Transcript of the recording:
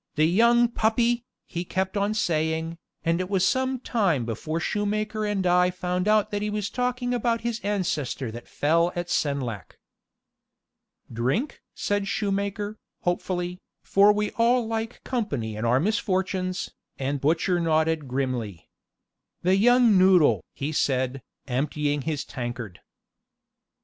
The young puppy!" he kept on saying, and it was some time before shoemaker and I found out that he was talking about his ancestor that fell at Senlac. "Drink?" said shoemaker, hopefully, for we all like company in our misfortunes, and butcher nodded grimly. "The young noodle!" he said, emptying his tankard.